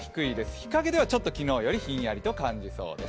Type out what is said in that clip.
日陰では昨日よりひんやりと感じそうです。